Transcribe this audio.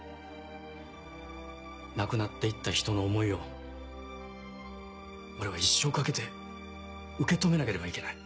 亡くなって行った人の思いを俺は一生かけて受け止めなければいけない。